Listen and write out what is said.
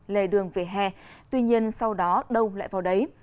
lề đường về hè tuy nhiên sau đó đâu lại vào đấy